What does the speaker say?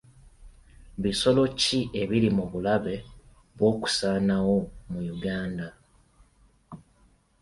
Bisolo ki ebiri mu bulabe bw'okusaanawo mu Uganda?